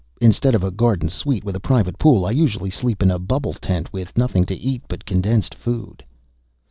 "Instead of a garden suite with a private pool, I usually sleep in a bubble tent, with nothing to eat but condensed food."